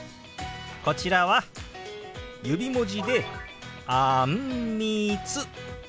こちらは指文字で「あんみつ」。